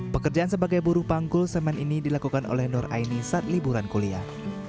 pekerjaan sebagai buruh panggul semen ini dilakukan oleh nur aini saat liburan kuliah